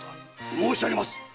申しあげます！